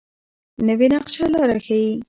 نوې نقشه لاره ښيي